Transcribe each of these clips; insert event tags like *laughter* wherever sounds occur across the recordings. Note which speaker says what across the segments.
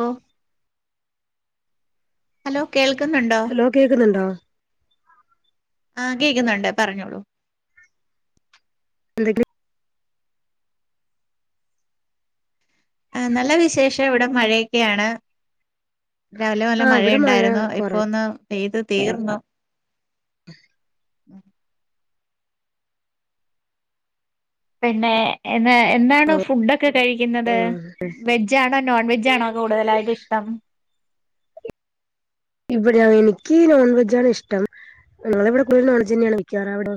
Speaker 1: ഓ hello കേൾക്കുന്നുണ്ടോ?
Speaker 2: അത് കേക്കുന്നുണ്ടോ?
Speaker 1: ആ കേക്കുന്നുണ്ട് പറഞ്ഞോളൂ
Speaker 2: എന്തക്കെ?
Speaker 1: ആ നല്ല വിശേഷം ഇവിടെ മഴയൊക്കെയാണ് രാവിലെ നല്ല
Speaker 2: ആ ഇവിടെ മഴ
Speaker 1: മഴയുണ്ടായിരുന്നു ഇപ്പോ
Speaker 2: കുറവ
Speaker 1: ഒന്ന് പെയ്ത് തീർന്നു പിന്നെ എന്ന് എന്താണ് ഫുഡൊക്കെ കഴിക്കുന്നത്
Speaker 2: ആ
Speaker 1: വെജ് ജാണോ നോൺ വെജാണോ കൂടുതലായിട്ടിഷ്ടം
Speaker 2: ഇവിടെ എനിക്ക് നോൺ വെജാണിഷ്ടം ഞങ്ങളെവിടെ കുറെ നോൺവെജെന്നെയാണ് വെക്കാറ് അവടോ?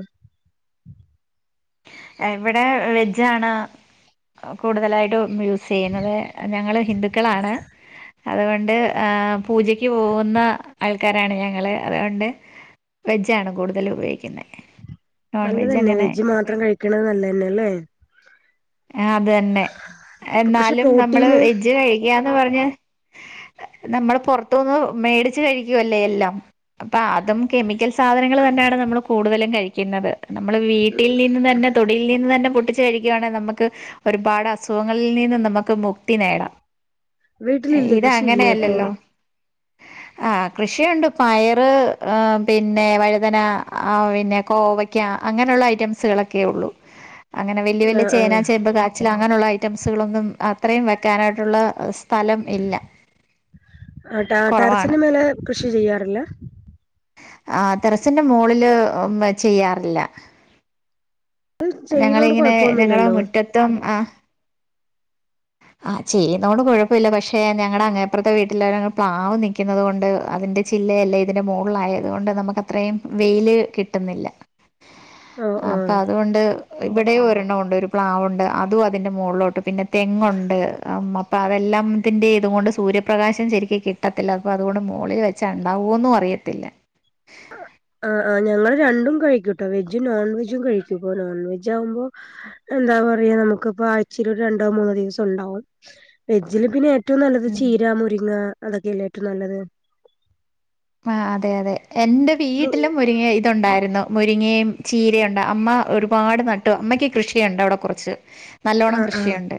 Speaker 1: എവിടെ വെജാണ് കൂടുതലായിട്ടു യൂസെയ്യുന്നത് ഞങ്ങള് ഹിന്ദുക്കളാണ് അതുകൊണ്ട് ആഹ് പൂജക്ക് പോവുന്ന അൾ ക്കാരാണ് ഞങ്ങള് അതുകൊണ്ട് വെജാണ് കൂടുതലുപയോഗിക്കുന്നേ
Speaker 2: നല്ലതന്നെ വെജ് മാത്രം കഴിക്കണത് നല്ലതന്നെല്ലേ
Speaker 1: ആഹ് അത് തന്നെ
Speaker 2: ഇപ്പൊ പക്ഷെ
Speaker 1: എന്നാലും നമ്മള്
Speaker 2: പ്രോട്ടീന്
Speaker 1: വെജ് കഴിക്കാന്ന് പറഞ്ഞ് നമ്മള് പുറതൂന്ന് മേടിച്ച് കഴിക്കുവല്ലേ എല്ലാം അപ്പ അതും കെമിക്കൽ സാധനങ്ങള് തന്നാണ് നമ്മള് കൂടുതലും കഴിക്കുന്നത് നമ്മള് വീട്ടിൽ നിന്ന് തന്നെ തൊടിയിൽ നിന്ന് തന്നെ പൊട്ടിച്ച് കഴിക്കുകവാണെ നമ്മ ക് ഒരുപാട് അസുഖങ്ങളിൽ നിന്നും നമുക്ക് മുക്തി നേടാം
Speaker 2: വീട്ടിലില്ലേ
Speaker 1: ഇത്
Speaker 2: കൃഷിയില്ലേ അപ്പൊ
Speaker 1: അങ്ങനെയല്ലല്ലോ ആഹ് കൃഷിയുണ്ട് പയറ് ആഹ് പിന്നെ വഴുതന ആഹ് പിന്നെ കോവ ക്യാ അങ്ങനുള്ള ഐറ്റംസുകളൊക്കെയുള്ളൂ അങ്ങനെ വല്ല്യ
Speaker 2: ആ
Speaker 1: വല്ല്യ
Speaker 2: ആ
Speaker 1: ചേന മ്പ് കാച്ചിലങ്ങനുള്ള ഐറ്റംസുകളൊന്നും അത്രയും വെക്കാനായിട്ടുള്ള സ്ഥലം ഇല്ല
Speaker 2: ആഹ് ടാ
Speaker 1: കുറവാണ്.
Speaker 2: ടറസിന് മേലെ കൃഷി ചെയ്യാറില്ലാ
Speaker 1: ആഹ് ടറസിന്റെ മോളില് ഉം ചെയ്യാറില്ല
Speaker 2: അത് ചെയ്യണോണ്ട്
Speaker 1: ഞങ്ങളിങ്ങനെ ഞങ്ങളെ
Speaker 2: കൊഴപ്പൊന്നുമില്ലല്ലോ
Speaker 1: മുറ്റത്തും ആഹ് ആഹ ചെയ്യുന്നത കൊണ്ട് കുഴപ്പമില്ല ആഹ് ചെയ്തോണ്ട് കൊഴപ്പോല പക്ഷെ ഞങ്ങടെ അങ്ങേപ്പുറത്തെ വീട്ടില പ്ലാവ് നിക്കുന്നത് കൊണ്ട് അതിന്റെ ചില്ലയല്ലേ ഇതിന് മോളായത്കൊണ്ട് നമുക്കത്രയും വെയില് കിട്ടുന്നില്ല
Speaker 2: ഓ
Speaker 1: ആഹ്
Speaker 2: ഓ
Speaker 1: അപ്പത്കൊണ്ട് ഇവിടേഒരെണ്ണവുണ്ട് ഒരു പ്ലാവുണ്ട് അതൂഅതിന്റെ മോള്ളോട്ട് പിന്നെ തെങ്ങുണ്ട് അമ്മം പ്പതെല്ലാംത്തിൻ്റെ ഇതുകൊണ്ട് സൂര്യപ്രകാശം ശരിക്ക് കിട്ടത്തില്ല അപ്പ അതുകൊണ്ട് മോളില് വെച്ച ഉണ്ടാവുവോന്നും അറിയത്തില്ല
Speaker 2: ആഹ് ആഹ് ഞങ്ങൾ രണ്ടും കഴിക്കൂട്ടോ വെജും നോൺ വെജും കഴിക്കൂപ്പനോൺ വെജാവുമ്പോ എന്താ പറയാ നമുക്കിപ്പ ആഴ്‌ചേലൊരു രണ്ടോ മൂന്നോ ദിവസം ഉണ്ടാവും വെജില് പിന്നെ ഏറ്റോം നല്ലത്
Speaker 1: ഉം
Speaker 2: ചീര മുരിങ്ങ അതൊക്കെയല്ലേ ഏറ്റോം നല്ലത്
Speaker 1: ആഹ് അതെ അതെ എന്റെ വീട്ടിലും മുരിങ്ങയിതുണ്ടായിരുന്നു മുരിങ്ങയും ചീരയുണ്ട് അമ്മ ഒരുപാട് നട്ടു അമ്മക്ക് കൃഷിയുണ്ട് അവിടെ കുറച്ച് നല്ലോണ്ണം
Speaker 2: ആഹ് ആഹ്
Speaker 1: കൃഷിയുണ്ട്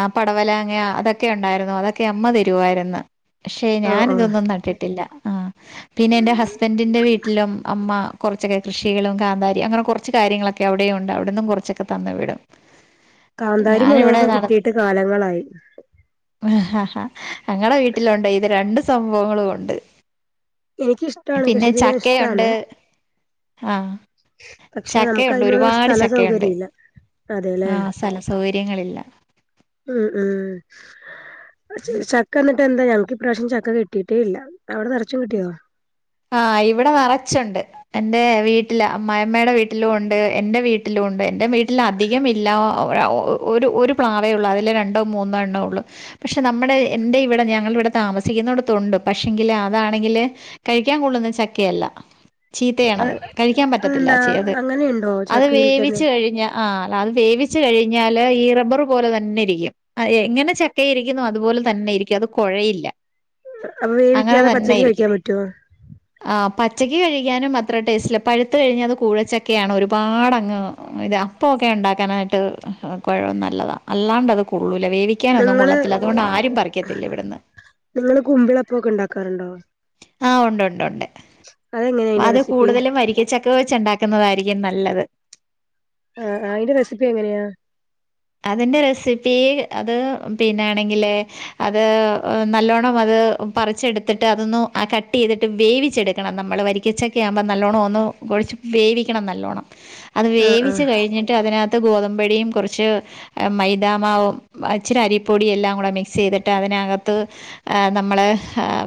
Speaker 1: ആഹ് പടവലാങ്ങ അതൊക്കെ ഉണ്ടായിരുന്നു അതൊക്കെ അമ്മ തരുവായിരുന്നു ക്ഷെ
Speaker 2: ആഹ് ആഹ്
Speaker 1: ഞാനിതൊന്നും നട്ടിട്ടില്ല ആഹ് പിന്നെ എന്റെ ഹസ്ബൻറിന്റെ വീട്ടിലും അമ്മ. കുറച്ചൊക്കെ കൃഷികളും കാന്താരി അങ്ങനെ കുറച്ച് കാര്യങ്ങളൊക്കെ അവിടെ ഉണ്ട് അവിടെ നിന്നും കൊർ ച്ചൊക്കെ തന്നുവിടും.
Speaker 2: കാന്താരി മുളകൊക്കെ കിട്ടിയിട്ട് കാലങ്ങളായി.
Speaker 1: ഞങ്ങള വീട്ടിലുണ്ട് ഇത് രണ്ട് സംഭവങ്ങളും ഉണ്ട്.
Speaker 2: എനിക്കിഷ്ടമാണ്
Speaker 1: പിന്നെ
Speaker 2: കൃഷി ചെയ്യാൻ
Speaker 1: ചക്കയുണ്ട്
Speaker 2: ഇഷ്ടാണ്.
Speaker 1: ആ
Speaker 2: പക്ഷെ നമുക്ക്
Speaker 1: ചക്കയുണ്ട്
Speaker 2: അതിനുള്ള
Speaker 1: ഒരുപാട്
Speaker 2: സ്ഥല
Speaker 1: ചക്കയുണ്ട്
Speaker 2: സൗകര്യം ഇല്ല അതെലേ.
Speaker 1: ആ സ്ഥല സൗകര്യങ്ങളില്ല.
Speaker 2: ഉം ഉം ചക്ക എന്നിട്ട് എന്താ ഞങ്ങക്ക് ഇപ്രാവശ്യം ചക്ക കി ട്ടിയിട്ടേ ഇല്ല അവിടെ നിറച്ചും കിട്ടിയോ.
Speaker 1: ആഹ് ഇവിടെ നറച്ചുണ്ട്. എന്റെ വീട്ടില് അമ്മായമ്മ യുടെ വീട്ടിലും ഉണ്ട് എന്റെ വീട്ടിലും ഉണ്ട് എന്റെ വീട്ടിലധികംല്ല. ഒരു ഒരു പ്ലാവേ ഉള്ളൂ അതിൽ രണ്ടോ മൂന്നോ എണ്ണം ഉള്ളൂ. പക്ഷെ നമ്മുടെ എന്റെ ഇവിടെ ഞങ്ങ ഇവിടെ താമസിക്കുന്നോടത്തൊണ്ട് പക്ഷെങ്കില് അതാണെങ്കില്. കഴിക്കാൻ കൊള്ളുന്ന ചക്കയല്ല. ചീത്തയാണത് കഴിക്കാം പറ്റത്തില്ല
Speaker 2: അതെന്താ
Speaker 1: ചെയത്
Speaker 2: അങ്ങനെയുണ്ടോ
Speaker 1: അത്
Speaker 2: ചക്കയിൽ തന്നെ
Speaker 1: വേവിച്ച് കഴിഞ്ഞ. ആ അല്ല അത് വേവിച്ചു കഴിഞ്ഞാല് ഈ റബ്ബറ് പോലെ തന്നെ ഇരിക്കും. എങ്ങനെ ചക്കയിരിക്കുന്നു അതുപോലെ തന്നെ ഇരിക്കും അത് കൊഴയില്ല.
Speaker 2: അപ്പൊ വേവിക്യാതെ പച്ചക്ക് കഴിക്യാം പറ്റൊ
Speaker 1: ആ പച്ചക്ക് കഴിക്യാനും അത്ര ടേസ്റ്റില്ല പഴുത്ത കഴിഞ്ഞാ അത് കൂഴച്ചക്കെയാണ് ഒരു പാടങ് ഇതാ പൊക ഇണ്ടാക്കാനായിട്ട് കുഴം നല്ലതാ അല്ലാണ്ടത് കൊള്ളൂല വേവി ക്ക്യാനൊന്നും
Speaker 2: നിങ്ങള്
Speaker 1: കൊള്ളത്തില്ല അതുകൊണ്ട് ആരും പറിക്കത്തില്ല ഇവിടന്ന്.
Speaker 2: നിങ്ങള് കുമ്പിള അപ്പൊക്ക ഇണ്ടാക്കാറുണ്ടോ
Speaker 1: ആ ഉണ്ട് ഉണ്ട് ഉണ്ട്
Speaker 2: അതെങ്ങനെയാ അയിന്റെ
Speaker 1: അത്
Speaker 2: റെസിപ്പി
Speaker 1: കൂടുതലും വരിക്കച്ച ക്ക വെച്ച ഇണ്ടാക്കുന്നതായിരിക്കും നല്ലത്.
Speaker 2: ആ ആ അയിന്റെ റെസിപ്പി എങ്ങനെയാ
Speaker 1: അതിന്റെ റെസിപ്പി അത് പിന്നാണെങ്കില്. അത് നല്ലോണം അത് പറിച്ചെടുത്തിട്ട് അതന്നു കട്ട് ചെയ്ത്ട്ട് വേവിച്ചെടുക്കണം നമ്മള് വരി ക്ക്യ ചക്ക ആവുമ്പം നല്ലോണം ഒന്ന് കുഴച്ച് വേവിക്കണം നല്ലോണം അത്
Speaker 2: ആഹ് ആഹ്
Speaker 1: വേവിച്ച് കഴിഞ്ഞിട്ട് അതിനകത്ത് ഗോതമ്പടിം കൊർച്. മൈദാ മാവും ഇച്ചിരി അരിപ്പൊടി എല്ലാം കൂടെ മിക്സ് ചെയ്ത്ട്ട് അതിനകത്ത്. ആ നമ്മള്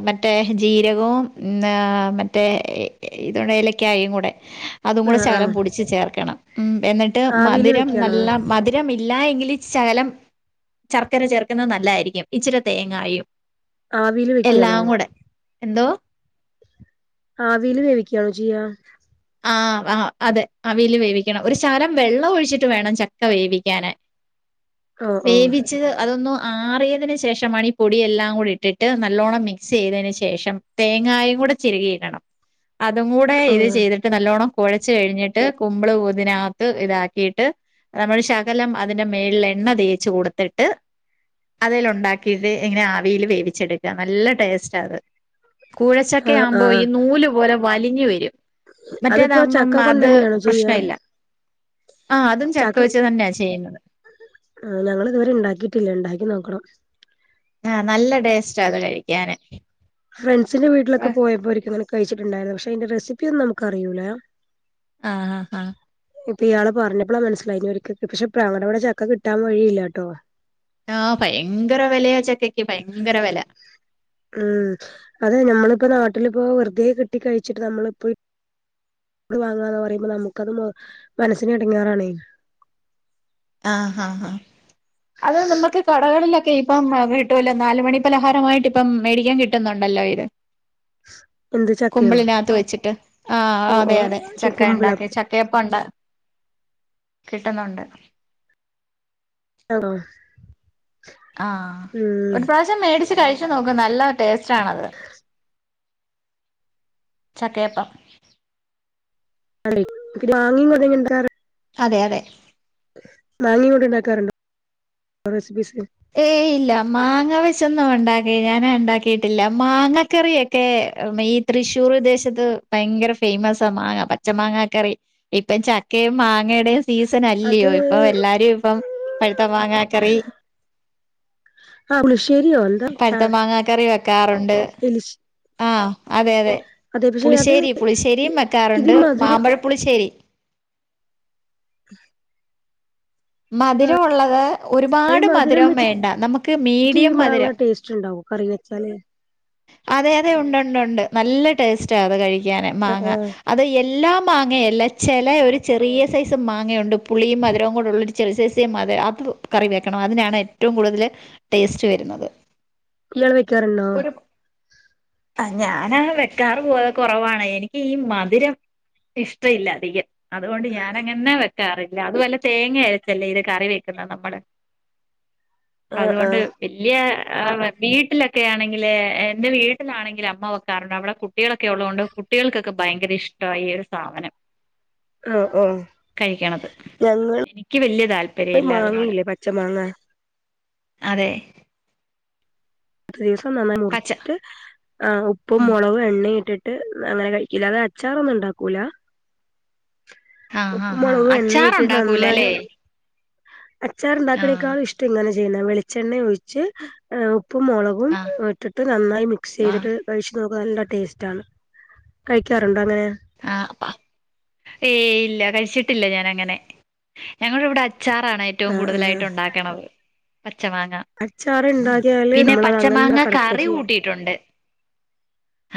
Speaker 1: മറ്റേ ജീരകവും മറ്റേ. ഇതൂടെ ഏലക്കായും കൂടെ അതും കൂടെ
Speaker 2: ആഹ്
Speaker 1: ഷകലം
Speaker 2: ആഹ്
Speaker 1: പൊടിച്ച് ചേർക്കണം ഉം എന്നി ട്ട്
Speaker 2: ആവില്
Speaker 1: മധുരം
Speaker 2: വെക്കാണോ
Speaker 1: നല്ല മധ് രം ഇല്ല എങ്കില് ഷകലം ചർക്കര ചേർക്കുന്നത് നല്ലതായിരിക്കും ഇച്ചിരി തേങ്ങായും. എല്ലാം കൂടെ, എന്തോ
Speaker 2: ആവീല് വേവിക്ക്യാണോ ചെയ്യാ
Speaker 1: ആ ആ അതെ ആവീല് വേവിക്കണം ഒരു ശകലം വെള്ളം ഒഴിച്ചിട്ട് വേണം ചക്ക വേവിക്കാന്.
Speaker 2: ഓഹ് ഓഹ്
Speaker 1: വേവി ച്ചത് അതൊന്ന് ആറിയതിന് ശേഷമാണ് ഈ പൊടിയല്ലാം കൂടി ഇട്ടിട്ട് നല്ലോണം മിക്സ് ചെയ്തെന് ശേഷം. തേങ്ങായും കൂടെ ചിരകി ഇടണം അതും കൂടെ ഇത്
Speaker 2: ഓഹ്
Speaker 1: ചെയ്തി ട്ട് നല്ലോണം കോഴച് കഴിഞ്ഞിട്ട് കുമ്പള് ഊതിനകത്ത് ഇതാക്കിയിട്ട്. നമ്മള് ശകലം അതിന്റെ മേളില് എണ്ണ തേച്ച് കൊട്ത്തിട്ട്. അതില് ഉണ്ടാക്കിട്ട് ഇങ്ങനെ ആവീല് വേവിച്ചെടുക്കാ നല്ല ടേസ്റ്റ അത്. കുഴചക്ക
Speaker 2: ആഹ്
Speaker 1: ആവുമ്പോ ഈ
Speaker 2: ആഹ്
Speaker 1: നൂല് പോലെ വലിഞ് വ
Speaker 2: അതിപ്പോ
Speaker 1: മറ്റേതാവുമ്പം
Speaker 2: ചക്ക
Speaker 1: അത്
Speaker 2: കൊണ്ടന്നെയാണോ
Speaker 1: പ്രശ്ന
Speaker 2: ചെയ്യാ
Speaker 1: ഇല്ല ആ അതും ചക്ക വച് തന്നെയാ ചെയ്യുന്നത്.
Speaker 2: ആ ഞങ്ങള് ഇതുവരെ ഇണ്ടാക്കിയിട്ടില്ല ഇണ്ടാക്കി നോക്കണം.
Speaker 1: ആ നല്ല ടേസ്റ്റാ അത് കഴിക്കാന്.
Speaker 2: ഫ്രണ്ട്സിന്റെ വീട്ടിലൊക്ക
Speaker 1: ആഹ്
Speaker 2: പോയപ്പോ ഒരിക്ക് ഇങ്ങനെ കഴിച്ചിട്ടുണ്ടായിരുന്നു പക്ഷെ അയ് ന്റെ റെസിപ്പി ഒന്നും നമുക്ക് അറിയൂല.
Speaker 1: ആ ആ അ
Speaker 2: ഇപ്പൊ ഇയാള് പർഞ്ഞപ്പളാ മൻസിലായത് ഇഞ് *unintelligible* പക്ഷെ പ്രാ *unintelligible* ളുടെ ഇവടെ ചക്ക കിട്ടാൻ വഴിയില്ലാട്ടോ
Speaker 1: ആ ഭയങ്കര വെലയാ ചക്കക്ക് ഭയങ്കര വെല
Speaker 2: ഉം അതെ ഞമ്മള്പ്പ നാട്ടിലിപ്പോ വെർതെ കിട്ടി കഴിച്ചിട്ട് നമ്മള്പ്പോ ട് വാങ്ങാന്ന് പറയുമ്പോ നമുക്കത് മനസ്സിന് എടങ്ങെറാണേ
Speaker 1: ആ ഹാ ഹ അത് നമുക്ക് കടകളിലൊക്കെ ഇപ്പം കിട്ടൂല്ലൊ നാല് മണി പലഹാരമായിട്ട് ഇപ്പം മേടിക്കാൻ കിട്ടുന്നുണ്ടല്ലോ ഇത്
Speaker 2: *inaudible* എന്ത് ചക്കയോ
Speaker 1: കുമ്പിളിനകത്ത് വെച്ചിട്ട് ആഹ്
Speaker 2: ഓ
Speaker 1: അതെ
Speaker 2: ഓ
Speaker 1: അതെ ചക്ക
Speaker 2: കുമ്പിള
Speaker 1: ഉണ്ടാക്കി ച കേപ്പുണ്ട് കിട്ടുന്നുണ്ട്
Speaker 2: ആണോ
Speaker 1: ആഹ്
Speaker 2: ഉം
Speaker 1: ഒരു പ്രാവശ്യം മേടിച്ച് കഴിച്ചു നോക്കു നല്ല ടേസ്റ്റ് ആണത് ചക്കയപ്പം
Speaker 2: അല്ലേ മാങ്ങേ *unintelligible*
Speaker 1: അതെ അതെ
Speaker 2: മാങ്ങ കൂടി ഉണ്ടാക്കാറുണ്ടോ റെസിപ്പീസ്
Speaker 1: ഏയ് ഇല്ല മാങ്ങ വെച്ചൊന്നും ഉണ്ടാക്കില്ല ഞാന് ഉണ്ടാക്കിയിട്ടില്ല മാങ്ങക്കറിയൊക്കെ *unintelligible* തൃശ്ശൂർ ദേശത്ത് ഭയങ്കര ഫേമസ മാങ്ങ പച്ച മാങ്ങ കറി ഇപ്പം ച ക്കയും മാങ്ങയുടെ സീസൺ
Speaker 2: അത്
Speaker 1: അല്ലയോ ഇപ്പൊ എല്ലാരും ഇപ്പം പഴുത്ത മാങ്ങ കറി
Speaker 2: ആഹ് പുളിശ്ശേരി
Speaker 1: പഴുത്ത മാങ്ങ കറി വെക്കാറുണ്ട്
Speaker 2: എലിശ്
Speaker 1: ആഹ് അതെ അതെ
Speaker 2: അതെ പക്ഷെ അത്
Speaker 1: പുളിശ്ശേരി പുളിശ്ശേരിയും
Speaker 2: ഇത്
Speaker 1: വെക്കാറുണ്ട്
Speaker 2: മധുരം
Speaker 1: മാമ്പഴ പുളിശേരി
Speaker 2: *inaudible*
Speaker 1: മധുരം ഉള്ളത്
Speaker 2: ഈ
Speaker 1: ഒരുപാട് മധുരം
Speaker 2: വെച്ചിട്ട്
Speaker 1: വേണ്ട നമുക്ക്
Speaker 2: ഈ
Speaker 1: മീഡിയം
Speaker 2: മാങ്ങ
Speaker 1: മധുരം
Speaker 2: ടേസ്റ്റ് ഉണ്ടാവോ കറിക്ക് *unintelligible*
Speaker 1: അതെ അതെ ഉണ്ട്ണ്ട് ഉണ്ട് നല്ല ടേസ്റ്റ അത് കഴിക്കാന്
Speaker 2: ആഹ്
Speaker 1: മാങ്ങ
Speaker 2: ആഹ്
Speaker 1: അത് എല്ലാം മാങ്ങ എല്ല ചെല ഒരു ചെറിയ സൈസ് മാങ്ങയുണ്ട് പുളിയും മധുരവും കൂടെ ഉള്ള ചെറി *unintelligible* അത് കറി വെക്കണം അതിനാണ് ഏറ്റവും കൂടുതൽ ടേസ്റ്റ് വരുന്നത്
Speaker 2: ഇങ്ങള് വെക്കാറുണ്ടോ?
Speaker 1: ആഹ് ഞാനങ്ങനെ വെക്കാറ് പോ കുറവാണ് എനിക്ക് ഈ മധുരം ഇഷ്ട ഇല്ല അധികം അതുകൊണ്ട് ഞാനങ്ങനെന്നെ വെക്കാറില്ല അതുപലെ തേങ്ങ അര ച്ചല്ലെ ഇത് കറി വെക്കുന്ന നമ്മള്
Speaker 2: ആഹ്
Speaker 1: അതുകൊണ്ട്
Speaker 2: ആഹ്
Speaker 1: വലിയ വീട്ടിലൊക്കെ ആണെങ്കിൽ എന്റെ വീട്ടിലാണെങ്കിൽ അമ്മ വെക്കാറുണ്ട് അവിടെ കു ട്ടികളൊക്കെ ഉള്ളത് കൊണ്ട് കുട്ടികൾക്കൊക്കെ ഭയങ്കര ഇഷ്ടാ ഈ ഒരു സാധനം
Speaker 2: ആഹ് ഓഹ്
Speaker 1: കഴിക്കണത്
Speaker 2: ഞങ്ങൾ
Speaker 1: എനിക്ക് വല്യ താല്പര്യം
Speaker 2: അഹ്
Speaker 1: ഇല്ല അതിനോട്
Speaker 2: മാങ്ങയില്ലേ പച്ച മാങ്ങ
Speaker 1: അതെ
Speaker 2: ദിവസം നന്നായി
Speaker 1: പച്ച
Speaker 2: മുറിച്ചിട്ട് ആഹ് ഉപ്പും
Speaker 1: ഉം
Speaker 2: മുളകും എണ്ണയിട്ടി ട്ട് അങ്ങനെ കഴിക്കില അത് അച്ചാറൊന്നും ഉണ്ടാക്കൂല
Speaker 1: ആഹ്
Speaker 2: ഉപ്പ്
Speaker 1: ആഹ് ആഹ്
Speaker 2: മുളകും എണ്ണയും ഇട്ടിട്ട്
Speaker 1: അച്ചാറുണ്ടാക്കൂല
Speaker 2: നന്നായി
Speaker 1: അല്ലേ
Speaker 2: അച്ചാർ
Speaker 1: ആഹ്
Speaker 2: ഉണ്ടാക്കണേക്കാളും ഇഷ്ടം ഇങ്ങനെ ചെയ്യുന്ന വെളിച്ചെണ്ണ ഒഴിച്ച് ഏഹ് ഉപ്പും മുളകും
Speaker 1: ആഹ്
Speaker 2: ഇട്ടിട്ട് നന്നായി മിക്സ്
Speaker 1: ആഹ്
Speaker 2: ചെയ്തിട്ട് കഴിച്ച് നോക്ക് നല്ല ടേസ്റ്റ് ആണ് കഴിക്കാറുണ്ടോ അങ്ങനെ?
Speaker 1: ആഹ് ഏയ് ഇല്ല കഴിച്ചിട്ടില്ല ഞാനങ്ങനെ ഞങ്ങളിവിടെ അച്ചാറാണ് ഏറ്റവും
Speaker 2: ആഹ് ആഹ്
Speaker 1: കൂടുതലായിട്ട് ഉണ്ടാക്കണത് പച്ച മാങ്ങ
Speaker 2: അച്ചാറ് ഇണ്ടാക്കിയാല്
Speaker 1: പിന്നെ
Speaker 2: നമ്മളത്
Speaker 1: പച്ച മാങ്ങ
Speaker 2: അങ്ങനെ കടക്ക
Speaker 1: കറി
Speaker 2: ചെയ്യാ
Speaker 1: കൂട്ടിയിട്ടുണ്ട്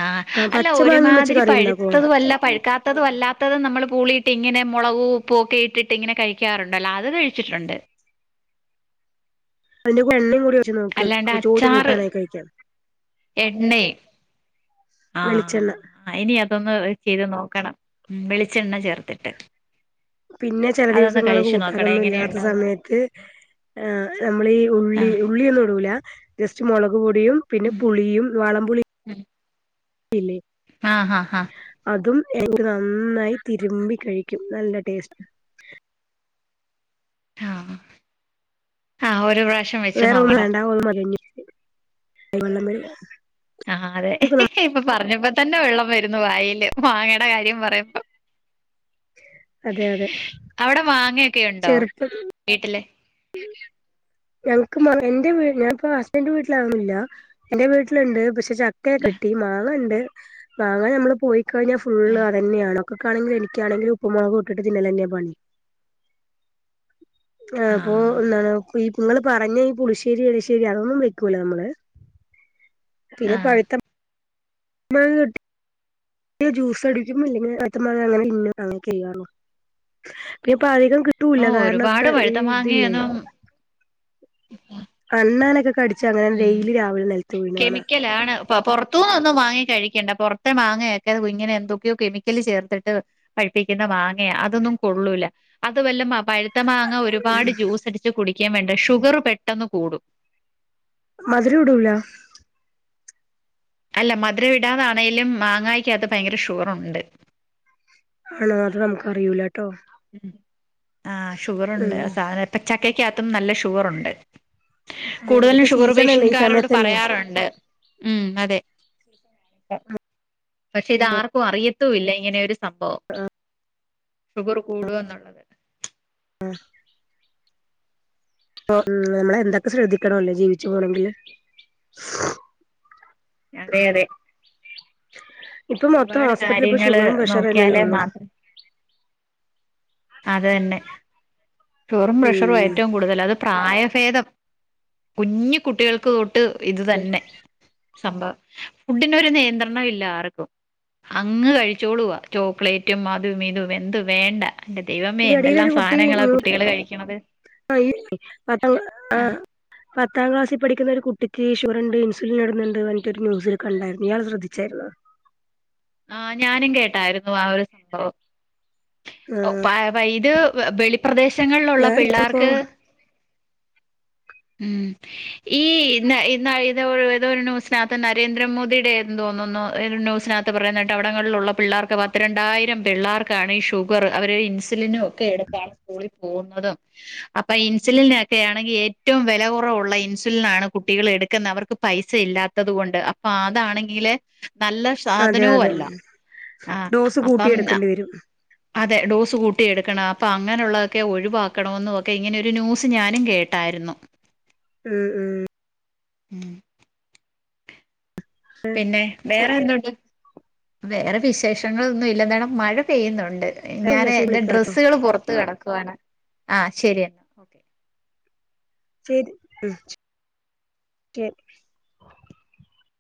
Speaker 1: ആഹ് അല്ല
Speaker 2: പച്ച മാങ്ങയും വെച്ച്
Speaker 1: ഒരുമാതിരി
Speaker 2: കറി ഉണ്ടാക്കോ
Speaker 1: പഴുപ്പ് ല്ല പഴുക്കാത്തതും അല്ലാത്തതും നമ്മൾ പൂളിയിട്ട് ഇങ്ങനെ മുളകു ഉപ്പും ഒക്കെ ഇട്ടിട്ട് ഇങ്ങനെ കഴിക്കാറുണ്ടല്ലോ അത് ക ഴിച്ചിട്ടുണ്ട്
Speaker 2: അതിന്റെ കൂടെ എണ്ണയും കൂടി ഒഴിച്ച് നോക്ക്
Speaker 1: അല്ലാണ്ട്
Speaker 2: ചൂട് കൂട്ടാനായി കഴിക്കാം
Speaker 1: എണ്ണ ആഹ്
Speaker 2: വെളിച്ചെണ്ണ
Speaker 1: ആ ഇനി അതൊന്ന് ചെയ്ത് നോക്കണം വെളിച്ചെണ്ണ ചേർത്തിട്ട്
Speaker 2: പിന്നെ ചില
Speaker 1: അതൊന്ന്
Speaker 2: ദിവസങ്ങള്
Speaker 1: കഴിച്ചു നോക്കണേ
Speaker 2: കൂട്ടാലൊന്നും ഇല്ലാത്ത
Speaker 1: എങ്ങനെയുണ്ടോന്നറിയാൻ
Speaker 2: സമയത്ത് ആഹ് നമ്മളീ ഉള്ളി ഉള്ളിയൊന്നും ഇടുല ജസ്റ്റ് മുളക് പൊടിയും പിന്നെ പുളിയും വാളം പുളി
Speaker 1: ഉം
Speaker 2: ഇല്ലെ
Speaker 1: ആഹ് ആഹ് ആഹ്
Speaker 2: അതും എനിക്ക് നന്നായി തിരുമ്പി കഴിക്കും നല്ല ടേസ്റ്റ്
Speaker 1: ആഹ് ആഹ് ഒരു പ്രാവശ്യം വെച്ച്
Speaker 2: വേറെ ഒന്നും
Speaker 1: നോക്കണം
Speaker 2: വേണ്ട ഒന്നും മതിയെങ്കിൽ *unintelligible*
Speaker 1: ആഹ് അതെ ഇപ്പൊ പറഞ്ഞപ്പോ തന്നെ വെള്ളം വരുന്നു വായില് മാങ്ങയുടെ കാര്യം പറയുമ്പം
Speaker 2: അതെ അതെ
Speaker 1: അവിടെ മാങ്ങൊക്കെുണ്ടോ
Speaker 2: ചെറുപ്പം
Speaker 1: വീട്ടില്
Speaker 2: ഞങ്ങക്ക് എന്റെ വീട്ടി ഞാനിപ്പോ ഹസ്ബന്റ് വീട്ടില് അതെന്നും ഇല്ല എന്റെ വീട്ടിലുണ്ട് പക്ഷെ ചക്കയ
Speaker 1: ആഹ്
Speaker 2: കിട്ടി മാങ്ങ ഉണ്ട് വാങ്ങൻ നമ്മള് പോയിഴിഞ്ഞാ ഫുള്
Speaker 1: ആഹ്
Speaker 2: അതന്നെയാണ് മക്കക്കാണെങ്കില എനിക്കാണെങ്കില ഉപ്പ മുളക് ഇട്ടിട്ട് തിന്നലെനെന്നെ പണി ആഹ് അപ്പോ എന്താണ് ഈ നിങ്ങള് പറഞ്ഞ ഈ പുളിശ്ശേരി എരിശ്ശേരി അതൊന്നും വെക്കൂല്ലേ നമ്മള് പിന്നെ
Speaker 1: ആഹ്
Speaker 2: പഴുത്ത മാങ്ങ കിട്ടാ ജൂസ്ടിക്കും അല്ലെങ്കിൽ പഴുത്ത മാങ്ങ അങ്ങനെ *unintelligible* ചെയ്യാറു പിന്നെപ്പൊ അധികം കിട്ട കിട്ടൂല്ല
Speaker 1: ഓ ഒരുപാട്
Speaker 2: കാരണൊക്കെ ഈ
Speaker 1: പഴുത്ത
Speaker 2: ഇതില്ലേ
Speaker 1: ഉ
Speaker 2: അണ്ണാനൊക്കെ കടിച്ചച്ച് അങ്ങനെ ഡെയിലി രാവില നിലത്ത് വീണു കാണാ
Speaker 1: ലാണ് അ പുറത്തുന്നു ഒന്നും വാങ്ങി കഴിക്കണ്ട പുറത്തെ വാങ്ങിയക്ക ഇങ്ങനെ എന്തൊക്കെയോ കെമിക്കല് ചേർത്തിട്ട് പഴിപ്പിക്കുന്ന മാങ്ങയ അതൊന്നും കൊള്ളൂല അത് വല്ലം പഴ പഴുത്ത മാങ്ങ ഒരുപാട് ജ്യൂസ് അടിച്ച് കുടിക്കാൻ വേണ്ട ഷുഗർ പെട്ടെന്ന് കൂടും
Speaker 2: മധുരം ഇടൂല്ല
Speaker 1: അല്ല മധുര ഇടാതൊണെങ്കലും മാങ്ങായ്ക്ക അകത്തു ഭയങ്കരം ഷുകറുണ്ട്
Speaker 2: ആണോ അത് നമുക്ക് അറിയൂല കേട്ടോ
Speaker 1: ആ ഷുഗറുണ്ട് സാധ ചക്കക്കകത്തും നല്ല ഷുഗറുണ്ട് കൂടുതലും
Speaker 2: ഇതിപ്പോ
Speaker 1: ഷുഗർ
Speaker 2: സീസണല്ലേ ഈ
Speaker 1: പേഷ്യന്റുകാരോട്
Speaker 2: സമയത്തല്ലേ
Speaker 1: പറയാറുണ്ട് ഉം അതെ പക്ഷെ ഇത് ആർക്കും അറിയത്ത ഇല്ല ഇങ്ങനെ ഒരു സംഭവം ഷുഗർ കൂടുക എന്നുള്ളത്
Speaker 2: ആഹ് ഉം നമ്മള് എന്തൊക്കെ ശ്രദ്ധിക്കണല്ലോ ജീവിച്ചു പോണമെങ്കില്
Speaker 1: അതെ അതെ
Speaker 2: ഇപ്പ മൊത്തം
Speaker 1: ഒരുപാട്
Speaker 2: ഹോസ്പിറ്റല ഇപ്പ
Speaker 1: കാര്യങ്ങള്
Speaker 2: ഷുഗറും പ്രഷറും തന്നെയ
Speaker 1: നോക്കിയാലേ
Speaker 2: ഒള്ളൂ
Speaker 1: മാത്രം അത് തന്നെ ഷുഗറും പ്രഷറും
Speaker 2: ഉം
Speaker 1: ഏറ്റവും കൂടുതൽ അത് പ്രായഭേദം കുഞ്ഞ് കുട്ടികൾക്ക് തെട്ട് ഫുഡ്‌ ഇത് തന്നെ സംഭവം ഫുഡിനൊരു നിയന്ത്രണം ഇല്ല ആർക്കും അങ്ങ് കഴിച്ചോളുവ ചോക്ലേറ്റും അതും ഇതും എന്ത് വേണ്ട എന്റെ ദൈവം
Speaker 2: ഈ എടിയിലൊരു കുട്ടി ആ പ ആ
Speaker 1: ആഹ്
Speaker 2: പത്താം ക്ലാസി പഠിക്കുന്ന ഒരു കുട്ടിക്ക് ഷുഗറുണ്ട് ഇൻസുലിനിടണ് ണ്ട് പറഞ്ഞിട്ട് ഒരു ന്യൂസില് കണ്ടായിരുന്നു ഇയാൾ ശ്രദ്ധിച്ചായിരുന്നോ
Speaker 1: ആഹ് ഞാനും കേട്ടായിരുന്നു ആ ഒരു സംഭവം
Speaker 2: ആഹ്
Speaker 1: പ പ ഇത് വെളിപ്രദേശങ്ങളിലുള്ള
Speaker 2: ഞാൻ ഇപ്പോ
Speaker 1: പിള്ളാർക്ക് ഉം ഈ ന ന ഇത് ഏതോ ഒരു ന്യൂസിനാത്ത് നരേന്ദ്രമോദിയുടേന്ന് തോന്നുന്നു ഒരു ന്യൂസിനാ ത്ത പറയുന്ന കേട്ടവിടങ്ങളിലുള്ള പിള്ളാർക്ക് പത്ത് രണ്ടായിരം പിള്ളാർക്കാണ് ഈ ഷു ഷുഗർ അവര് ഇൻസുലിനും ഒക്കെ എടുത്താണ് സ്കൂളി പോകുന്നതും അപ്പൊ ഇൻസുലിന് ഒക്കെ ആണെങ്കി ഏറ്റവും വെലകുറവുള്ള ഇൻസുലിനാണ് കുട്ടികൾ എടുക്കുന്നെ അവർക്ക് പൈസ ഇല്ലാത്തത് കൊണ്ട് അപ്പൊ അതാണെങ്കില് നല്ല
Speaker 2: അതെ
Speaker 1: സാധനോം
Speaker 2: അതെ
Speaker 1: അല്ല ആഹ്
Speaker 2: ഡോസ് കൂട്ടി
Speaker 1: അപ്പം
Speaker 2: എടുക്കേണ്ടി വരും
Speaker 1: അതെ ഡോസ് കൂട്ടിയെടുക്കണം അപ്പം അങ്ങനെയുള്ളതൊക്കെ ഒഴിവാക്കണം എന്നുവൊക്കെ ഇങ്ങനെ ഒരു ന്യൂസ് ഞാനും കേട്ടായിരുന്നു
Speaker 2: ഉം ഉം
Speaker 1: ഉം പിന്നെ വേറെ എന്തുണ്ട് വേറെ വിശേഷങ്ങളൊന്നും ഇല്ല ന്താണ് മഴ പെയ്യുന്നുണ്ട്
Speaker 2: എന്നാ
Speaker 1: ഞാന്
Speaker 2: ശരി
Speaker 1: എന്റെ
Speaker 2: വിളിക്കാട്ടോ
Speaker 1: ഡ്രെസ്സുകള് പുറത്ത് കെടക്കുവാണ് ആഹ് ശരിയെന്നാ ഓക്കെ
Speaker 2: ശരി ഉം ശരി